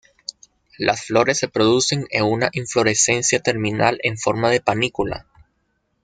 Las flores se producen en una inflorescencia terminal en forma de panícula.